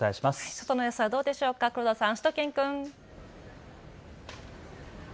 外の様子はどうでしょうか、黒田さん、しゅと犬くん。